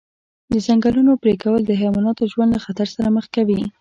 د ځنګلونو پرېکول د حیواناتو ژوند له خطر سره مخ کوي.